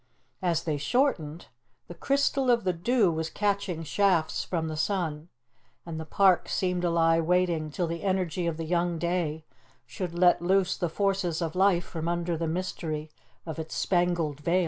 As they shortened, the crystal of the dew was catching shafts from the sun, and the parks seemed to lie waiting till the energy of the young day should let loose the forces of life from under the mystery of its spangled veil.